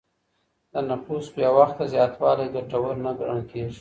د نفوس بې وخته زياتوالی ګټور نه ګڼل کيږي.